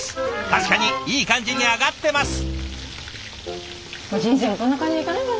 確かにいい感じに揚がってます。